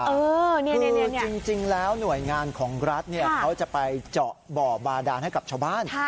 จริงแล้วหน่วยงานของรัฐเขาจะไปเจาะบ่อบาดานให้กับชาวบ้าน